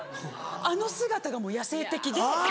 あの姿がもう野性的で。